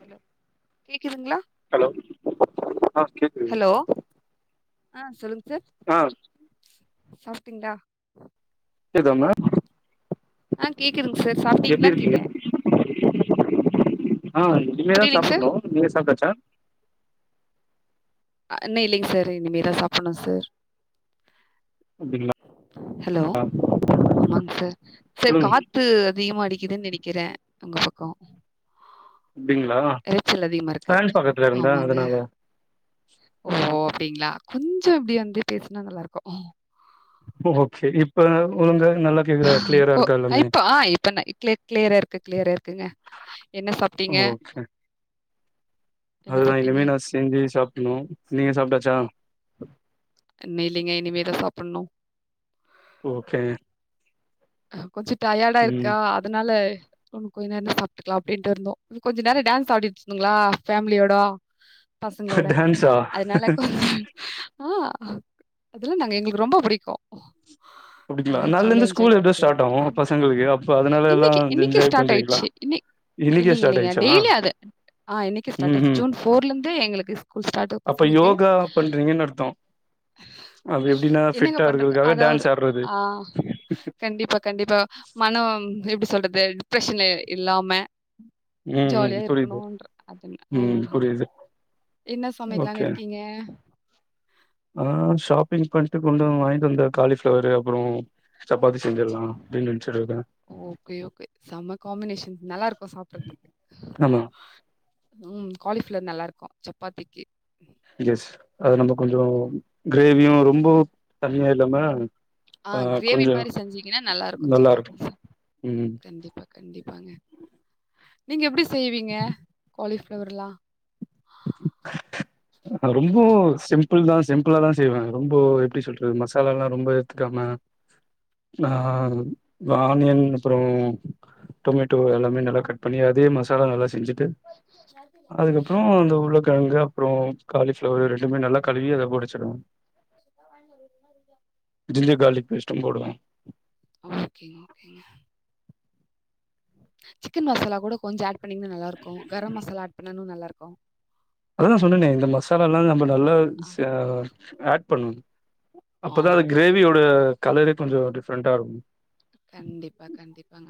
hello கேக்குதுங்களா hello ஆ சொல்லுங் சார் சாப்ட்டீங்ளா கேக்குதமா எப்டி இருக்கீங்க ஆ இனிமேதா சாப்புண்ணு நீங்க சாப்டாச்சா இன்னு இல்லிங்க சார் இனிமேதா சாப்பிண்ணு சார் ஹலோ ஆமாங் சார் சார் கா த்து அதிகமா அடிக்குதுன் நெனைக்கிறே உங்க பக்கோ அப்டிங்ளா எரச்சல் அதிகமாருக்கு ஆமாங்க ஓ அப்டிங்களா கொஞ்சோ இப்டி வந்து பேசுனா நல்லாருக்கு ஓகே இப்ப ஒழுங்கா நல்லா ஓ அ இப்ப ஆ இப்பண்ண க்ளி க்ளியரா இருக்கு க்ளியரா இருக்குங்க என்ன சாப்ட்டீங்க அதுதா இனிமே நா செஞ்சு சாப்டணு நீங்க சாப்ட்டாச்சா இன்னு இல்லிங்க இனிமேதா சாப்புண்ணு ஓகே கொஞ்சோ டயடா இருக்கா அதனால இன்னு கொஞ்நேரனா சாப்ட்டுக்லா அப்டின்ட்டு இருந்தோ கொஞ்சோ நேர டான்ஸ் ஆடிட்டுருந்தோங்களோ ஃபேம்லியோடோ பசங்களோட அதனால கொஞ்ச் ஆ அதெல்லா நாங்க எங்களுக்கு ரொம்ப புடிக்கு போட்டுக்லா நாளலந்து ஸ்கூலு டே ஸ்டாட் ஆவு பசங்களுக்கு அப்ப அதனால எல்லா ஜென்ஜாய் பண்றீங்ளா இன்னிக்கே ஸ்டாட் ஆய்ட்ச்சா ஆ இன்னைக்கே ஸ்டாட் ஆயிச் ஜூன் ஃபோர்லெருந்து எங்களுக்கு ஸ்கூல் ஸ்டாட்டு பசங்களுக்கு என்ன அர்த்தோ அது எப்டின்னா ஃபிட்டா இருக்கறதுக்காக டான்ஸ் ஆட்றது கண்டிப்பா கண்டிப்பா மனம் எப்டி சொல்றது டிப்ரெஷன்ல இல்லாம ஜாலியா இருக்கணுன்ற அது ஆ இன்னா சமைக்கலான் இருக்கீங்க ஆ ஷாப்பிங் பண்ட்டு கொஞ்சோ வாய்ன்ட்டு வந்தே காலிஃபிளவர்ரு அப்பறோ சப்பாத்தி செஞ்சிற்லா அப்டின் நென்ச்சிட்ரிக்கே ஓகே ஓகே சம்ம காம்பினேஷன் நல்லாருக்கு சாப்றத்துக்கு ம் காலிஃபிளவர் நல்லாருக்கு சப்பாத்திக்கு எஸ் அது நம்ம கொஞ்சோ கிரேவியு ரொம்போ தண்ணியா இல்லாம ஆ கிரேவி மாரி செஞ்சீங்கன்னா நல்லா இருக்கு சப்பாத்திக்கு சார் கண்டிப்பா கண்டிப்பாங்க நீங்க எப்டி செய்வீங்க காலிஃப்ளவர்லா [inaudible] ஆ ரொம்போ சிம்பிள் தா சிம்பிளா தா செய்வ ரொம்போ எப்டி சொல்றது மசாலலா ரொம்ப எடுத்துக்காம நா ஆனியன் அப்றோ டொமேட்டோ எல்லாமே நல்லா கட் பண்ணி அதே மசாலா நல்லா செஞ்சுட்டு அதுக்கப்றோ அந்த உருளக்கிழங்கு அப்றோ காலிஃப்ளவர் ரெண்டுமே நல்லா கழுவி அத பொடிச்சுடுங்க வா வாயின்ட்டு வருவோ இது என்னா இருக்கு ஜிஞ்சர் கார்லிக் பேஸ்டு போடுவோ ஓகேங்க ஓகேங்க சிக்கன் மசாலா கூட கொஞ்சோ ஆட் பண்ணீங்கன்னா நல்லா இருக்கு கரம் மசாலா ஆட் பண்ணா இன்னு நல்லா இருக்கு அதா நா சொன்னனே இந்த மசாலல்லா நம்ம நல்லா ச் ஆ ஆட் பண்ணு அப்பதா அந்த கிரேவியோட கலரே கொஞ்சோ டிஃப்ரெண்டா இருக்கு கண்டிப்பா கண்டிப்பாங்க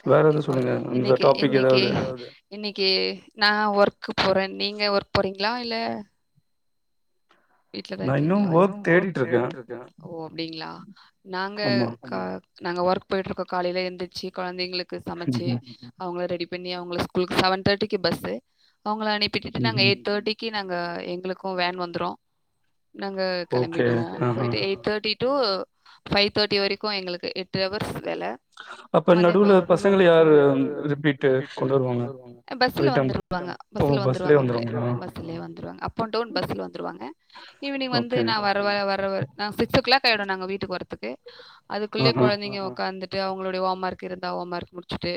கண்டிப்பா இன்னைக்ககி இன்னைக்கி இன்னைக்கி நா ஒர்க்கு போற நீங்க ஒர்க் போறீங்களா இல்ல வீட்லதா இருக்கீங்ளா ஓ அப்டிங்ளா நாங்க க நாங்க ஒர்க் போயிட் இருக்கோ காலைல எந்திருச்சு கொழந்தைங்களுக்கு சமச்சி அவுங்கள ரெடி பண்ணி அவுங்கள ஸ்கூலுக்கு செவன் தேர்டிக்கு பஸ்சு அவுங்கள அனுப்பிட்டுட்டு நாங்க எயிட் தேர்டிக் கி நாங்க எங்களுக்கு வேன் வந்துரு நாங்க கெளம்பிடுவோ போயிட்டு eight thirty to five thirty வரைக்கு எங்களுக்கு எட்டு அவர்ஸ் வேல அப்ப நடுவுல பசங்கல்ல யாரு ரிப்பிட்டு கொண்டு வருவாங்க வாங்க பஸ்ல வந்துருவாங்க அவுங்களே பஸ்லயே வந்துருவங்க அப் அண்ட் டவுன் பஸ்ல வந்துருவாங்க ஈவினிங் வந்து நா வர வர வர வர நா சிக்ஸ் ஓ கிளாக் ஆயிடு நாங்க வீட்டுக் வர்த்துக்கு அதுக்குள்ளயே கொழந்தைங்க உக்காந்துட்டு அவுங்களுடைய ஹோம் ஓர்க் இருந்தா ஹோம் ஓர்க் முடிச்சுட்டு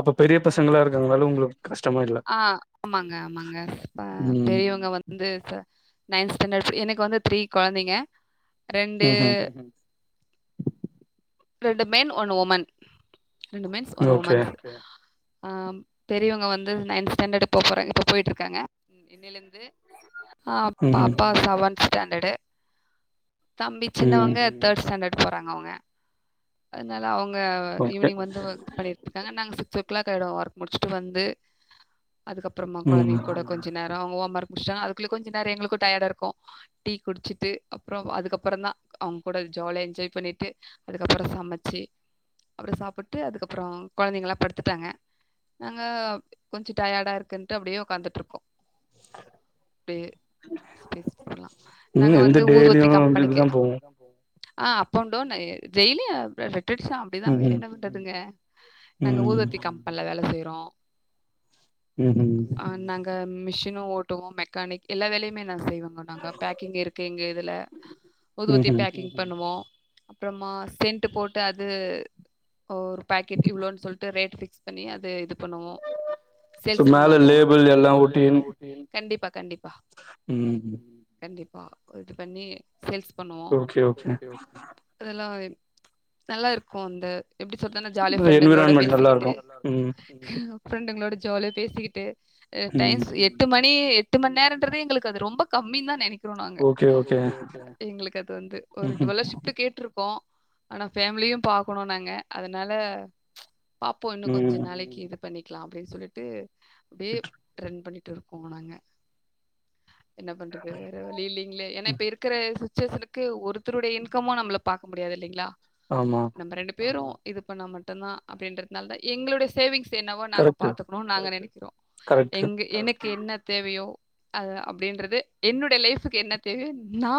அப்ப பெரிய பசங்களா இருக்காறங்னால உங்களுக்கு கஷ்டமா இல்ல ஆ ஆமாங்க ஆமாங்க ப பெரியவுங்க வந் வந்து த நைன் ஸ்டாண்டர்ட எனக்கு வந்து த்ரீ கொழந்தைங்க ரெண்டு ரெண்டு மென் ஒன்னு உமன் ரெண்டு மென்ஸ் ஒன் உமன்ஸ் ஆ பெரியவங்க வந்து நைன்த் ஸ்டாண்டர்ட் போ போறாங்க இப்ப போயிட்டு இருக்காங்க எழுந்து ஆ பாப்பா செவன்த் ஸ்டாண்டர்டு தம்பி சின்னவுங்க தேர்ட் ஸ்டாண்டர்டு இருப்பாங்க அவுங்க அதனால அவுங்க ஈவினிங் வந்து படி க்காங்க நாங்க சிக்ஸ் ஓ கிளாக் ஆயிடு ஒர்க் முடிச்சுட்டு வந்து அதுக்கப்புறமா கொழந்தைங்க கூட கொஞ்ச கொஞ்ச நேர அவுங்க ஹோம் ஓர்க் முடிச்சா அதுகுள்ள கொஞ்ச நேர எங்களுக்கு டயர்டா இருக்கு டீ குடிச்சிட்டு அப்றோ அதுக்கப்றோ தா அவுங்க கூட ஜாலியா என்ஜாய் பண்ணிட்டு அதுக்கப்பறோ சமச்சு அப்றோ சாப்புட்டு அதுக்கப்பறோ கொழந்தைங்கள்லா படுத்துட்டாங்க நாங்க கொஞ்ச டயர்டா இருக்குன்ட்டு அப்டியே உட்காந்துட்டு இருக்கோ [inaudible] நாங்க வந்து ஊதுவத்தி கம்பனைக்கு ஆ அப் அண்ட் டவுன் டெய்லி ரெட்டட்சா அப்டிதா வேற என்ன பண்றதுங்க நாங்க ஊதுவத்தி கம்பன்ல வேல செய்றோ ஆ நாங்க மிஷினு ஓட்டுவோ மெக்கானிக் எல்லா வேலையுமே நா செய்வ அங்க நாங்க பேக்கிங் இருக்கு இங்க இதுல ஊதுவத்தி பேக்கிங் பண்ணுவோ அப்றோமா சென்ட்டு போட்டு அது ஒர் பேக்கெட் இவ்ளோன்னு சொல்ட்டு ரேட் பிக்ஸ் பண்ணி அத இது பண்ணுவோ சேல்ஸ் பண்ணுவோங்கோ கண்டிப்பா கண்டிப்பா ம் கண்டிப்பா இது பண்ணி சேல்ஸ் பண்ணுவோ அதெல்லா நல்லாருக்கு அந்த எப்டி சொல்றேனா ஜாலியா ஃப்ரெண்டுங்களோட பேசிக்கிட்டு ஃப்ரெண்டுங்களோட ஜோலியா பேசிக்கிட்டு அ டைம்ஸ் எட்டு மணி பத்து மண் நேரன்றது எங்களுக்கு அது ரொம்ப கம்மின்தா நெனைக் றோ நாங்க எங்களுக்கு அது வந்து ஒரு டுவலர்சிப் கேட்டிருக்கோ ஆனா ஃபேமிலியு பாக்கணு நாங்க அதனால பாப்போ இன்னு கொஞ்ச நாளைக்கு இது பண்ணிக்கலா அப்படின் சொல்லிட்டு அப்டியே ரன் பண்ணிட்டு இருக்கோ நாங்க என்ன பண்றது வேற வழி இல்லைங்களே ஏன்னா இப்ப இருக்க சுச்சேஷனுக்கு ஒருத்தருடைய இன் கம்மா நம்மள பாக்க முடியாது இல்லைங்களா ஆமா நம்ம ரெண்டு பேரு இது பண்ணா மட்டுந்தா அப்படின்றதுனால தா எங்களுடைய சேவிங்ஸ் என்னவோ நாங்க பாத்துக்கணு நாங்க நெனைக்கிறோ எங்க எனக்கு என்ன தேவையோ அ அப்படின்றது என்னுடைய லைஃபக்கு என்ன தேவை நா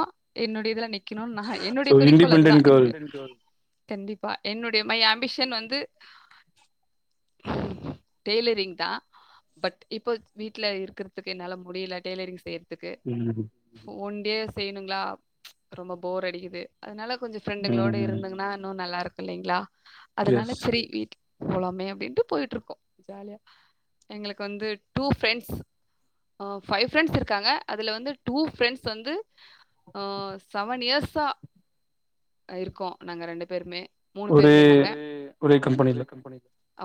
என்னுடைய இதுல நிக்கணுன் என்னுடைய குறிக்கோள் அதுதா எ கண்டிப்பா என்னுடைய மை ஆம்பிஷன் வந்து டெய்லரிங் தா பட் இப்போ வீட்ல இருக்கிறதுக்கு என்னால முடியல டெய்லரிங் செய்ற துக்கு ஒண்டியே செய்யணுங்களா ரொம்ப போர் அடிக்குது அதனால கொஞ்ச ஃப்ரெண்டுங்களோடு இருந்துங்கன்னா இன்னு நல்லாருக்கு இல்லைங்களா அதனால சரி வீட்டுக் போலாமே அப்படின்ட்டு போயிட்ருக்கோ ஜாலியா எங்களுக்கு வந்து டூ ஃப்ரெண்ட்ஸ் ஆ ஃபைவ் ஃரெண்ட்ஸ் இருக்காங்க அதுல வந்து டூ ஃப்ரெண்ட்ஸ் வந்து ஆ செவன் இயர்ஸா இருக்கோ நாங்க ரெண்டு பேருமே மூணு பேருமே நாங்க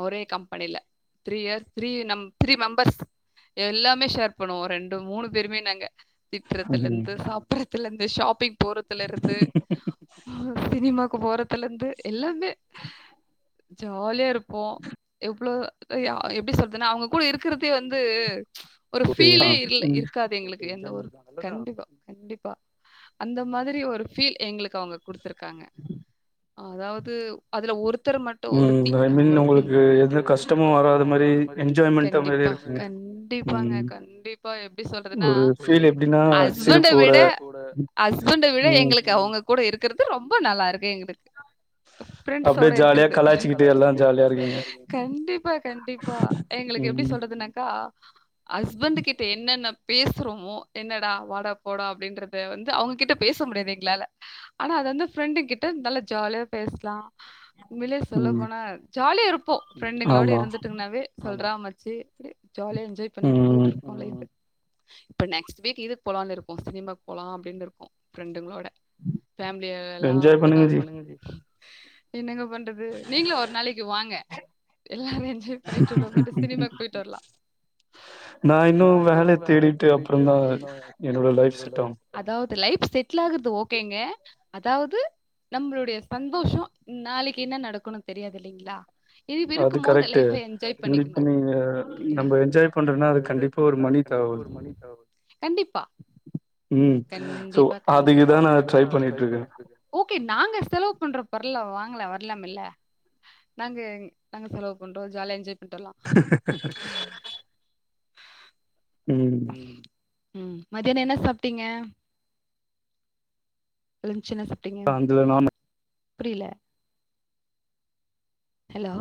ஒரே கம்பெனில த்ரீ இயர்ஸ் த்ரீ நம் த்ரீ மெம்பர்ஸ் எல்லாமே ஷேர் பண்ணுவோ ரெண்டு மூணு பேருமே நாங்க திட்றதுல இருந்து சாப்பறதுல இருந்து ஷாப்பிங் போறதுல இருந்து ஆ சினிமாக்கு போறதுல இருந்து எல்லாமே ஜாலியா இருப்போ எவ்ளோ ஆ எப்டி சொல்துன்னா அவங்க கூட இருக்கிறதே வந்து ஒரு ஃபீலே இருல இருக்காது எங்களுக்கு எந்த ஒரு கண்டிப்பா கண்டிப்பா அந்த மாதிரி ஒரு ஃபீல் எங்களுக்கு அவங்க குடுத்துருக்காங்க அதாவது அதுல ஒருத்தரு மட்டு ஒருத்தி ஆ ஒருத்தி கண்டிப்பா கண்டிப்பாங்க கண்டிப்பா எப்டி சொல்றதுன்னா ஹஸ்பண்ட விட ஹஸ்பண்ட விட எங்களுக்கு அவங்க கூட இருக்கறது ரொம்ப நல்லாருக்கு எங்களுக்கு ஃப்ரெண்ஸ்சோட இருக்கறது கண்டிப்பா கண்டிப் அப்பா எங்களுக்கு எப்டி சொல்றதுனாக்கா ஹஸ்பண்டு கிட்ட என்னென்ன பேசுறோமோ என்னடா வாடா போடா அப்டின்றத வந்து அவங்கிட்ட பேச முடியாதே ங்ளால ஆனா அது வந்து ப்ரெண்டு கிட்ட நல்ல ஜாலியா பேஸ்லாம் உண்மேலே சொல்ல போனா ஜாலியா இருப்போம் ஃப்ரெண்டுங்ளோட இருந்துட்டுங்ன்னாவே சொல்றா மச்சி இப்டியே ஜாலியா என்ஜாய் பண்ணிட்டு போய்ட்டு இருக்கோம் லைஃப் இப்ப நெக்ஸ்ட் வீக் இதுக்கு போலாம்னு இருக்கோ சினிமாக்கு போலாம் அப்டின்னு இருக்கோம் ஃப்ரெண்டுங்ளோட ஃபேம்லி எல்லாம் இப்பதான் என்னங்க பண்றது நீங்களும் ஒரு நாளைக்கு வாங்க எல்லார யும் பண்ணிட்டு உள்ளார போய்ட்டு சினிமாக்கு போய்ட்டு வரலா நான் இன்னும் வேலைய தேடிட்டு அப்புறம் தான் என்னோட லைப் செட் ஆகும் அதாவது லைஃப் செட்டில் ஆகுறது ஓகேங்க அதாவது நம்மளுடைய சந்தோஷம் நாளைக்கு என்ன நடக்கும்னு தெரியாது இல்லைங்களா அது கரெக்டு இங் இப்ப நீங்க நம்ம என்ஜாய் பண்றோனா அது கண்டிப்பா ஒர்க் பண்றதனா அதுக்கு கண்டிப்பா ஒரு மணி‌தேவப்படும் கண்டிப்பா ம் சோ அதுக்குதான் நான் ட்ரை பண்ணிட்டு இருக்கேன் ஓகே நாங்க செலவு பண்றோ பர்ல வாங்கலே வரலாமெல்ல நாங்கே நாங்க செலவு பண்றோம் ஜால்யா என்ஜாய் பண்ட்வர்லாம் ம் ம் மதியானம் என்ன சாப்டீங்க லெஞ்ச் என்ன சாப் டிங்க புரில ஹலோ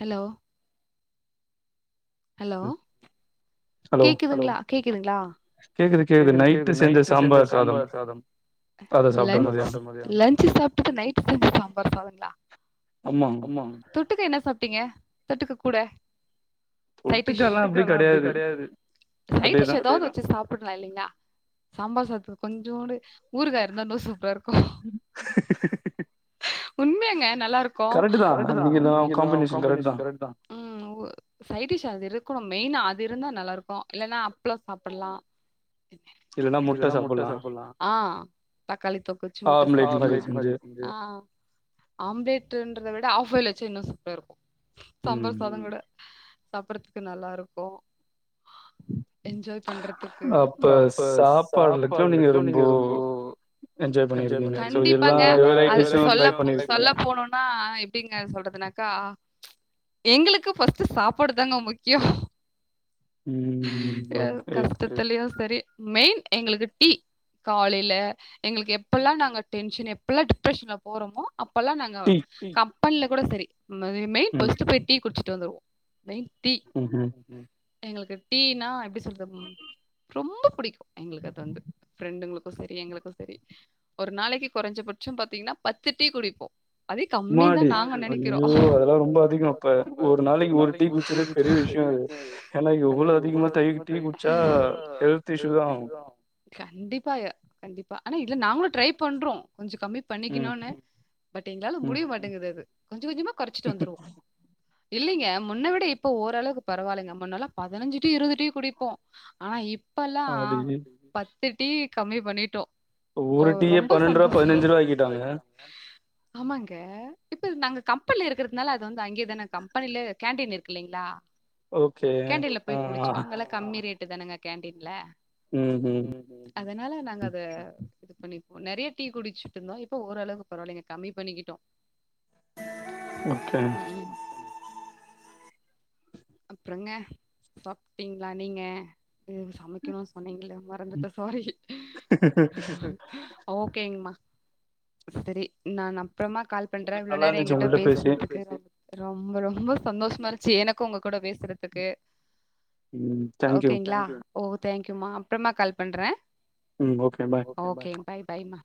ஹலோ ஹலோ கேக்குதுங்ளா கேக்குதுங்ளா கேக்குது கேது நைட்டு செஞ்ச சாம்பார் சாதம் லஞ்ச் லன்ச் சாப்பிட்டு நைட்டு் செஞ்ச சாம்பார் சாதங்ளா ஆமாம் தொட்டுக்க என்ன சாப்டீங்க தொட்டுக்க கூட சைட்டிஷ் தொட்டுக்கெல்லாம் அப்டி கிடையாது சைட் டிஷ் ஏதாவது ஒன் வச்சி சாப்டுலாம் இல்லிங்ளா சாம்பார் சாத்துக்கு கொஞ்சோண்டு ஊறுகா இருந்தா இன்னும் சூப்பரா இருக்கும் உண்மயாங்க நல்லா இருக்கும் கரெக்ட் தான் நீங்க இத கமினேஷன் கரெக்ட் தான் ம் ஊ சைடிஷ் அது இருக்கணு மெயின்னா அது இருந்தா நல்லா இருக்கும் இல்லன்னா அப்ளம் சாப்பலாம் இல்லன்னா முட்ட சாப்பிலாம் ஆ தக்காளி தொக்குச்சு முட்டை சாப்டா ஆம்லெட் மாரி ஆ ஆம்ப்லேட்ன்றத விட ஆப்பைல் வச்சி இன்னும் சூப்பரா இருக்கும் சம்பார் சாதம் விட சாப்டுறதுக்கு நல்லாருக்கும் ஆ என்ஜாய் பண்ற து அப்ப சாப்பாடுலக்கும் நீங்க ரொம்போ கண்டிப்பாங்க அதுக்கு சொல்லப் சொல்லப் போணும்னா எப்டிங்க சொல்றதுனாக்கா எங்களுக்கு பஸ்ட் சாப்பாடு தாங்க முக்கியம் கஷ்டத்துலயும் சரி மெய்ன் எங்களுக்கு டீ காலைல்ல எங்களுக்கு எப்பல்லாம் நாங்க டென்ஷன் எப்பல்லாம் டிப்ரெஷன்ல போறோமோ அப் பல்லாம் நாங்க கப்பன்ல கூட செரி மெய்ன் ஃபர்ஸ்ட் போய் டீ குடிச்சுட்டு வந்துருவோம் மெய்ன் டீ ம் எங்களுக்கு டீனா எப்டி சொல்ற ரொம்ப பிடிக்கும் எங்களுக்கு அது வந்து ஃப்ரெண்டுங்களுக்கும் சேரி எங்களுக்கும் சேரி ஒரு நாளைக்கு குறைஞ்சபட்சம் பாத்தீங்கன்னா பத்து டீ குடிப்போம் அம்மாடி ஐயோ அதெல்லாம் ரொம்ப அதிகம் அப்ப ஒரு நாளைக்கு ஒரு டீ குடிச்சதே பெரிய விஷயம் அது ஏன்னா எவ்ளோ அதிகமா தைய்கு டீ குட்ச்சா லா ஹெழ்த்திக்கு தா கண்டிப்பா யா கண்டிப்பா ஆனா இல்ல நாங்களு ட்ரை பண்றோ கொஞ்சு கம்மிப் பண்ணிக்கிணோனு பட் எங்களால முடிவு மாட்டேங்குது அது கொஞ்சு கொஞ்சுமா கொறச்சிட்டு வந்துருவ் இல்லிங்க முன்ன விட இப்போ ஓரளவுக்கு பரவால்லெங்க முன்னல்லா பதனஞ்சி டீ இருவது டீ குடிப்போ ஆனா இப்பல்லா பத்து டீ கம்மி பண்ணிட்டோ ஒரு டீயே பன்னெண்ட்ருபா பதினஞ்சு ருபா ஆக்கிட்டாங்க ஆமாங்க இப்புல் நாங்க கம்பன்ல இருக்குறத்னால அது வந்து அங்யேதான கம்பனிலே கேன்டீன் இருக்கு இல்லைங்ளா கேண்டில்ல போய் குடிச்சுப்பாங்கல்ல கம்மி ரேட்டு தானங்க கேண்டின்ல அதனால நாங்க அத இது பண்ணிப்போ நெறைய டீ குடிச்சுட்டுந்தோ இப்போ ஓரளவு பரவால்லைங்க கம்மி பண்ணிக்கிட்டோ ஓகே அப்றங்க சாப்டீங்ளா நீங்க ம் சமைக்கணு சொன்னீங்கல மற் பண்றத சாரி ஓகேங்மா செரி நான் அப்றம்மா கால் பண்ற இவ்ளோ நேர எங்கிட்ட பேஸ் முட்டுக்கே ராம் ரொம்ப ரொம்ப சந்தோஷமா இருன்ச்சேனப் க்கோ உங்க கூட பேசுறதுக்கு ஓகேங்ளா ஓ தேங்க்யூ மா அப்றமா கால் பண்றே ஓகே பாய் பாய் பாய்மா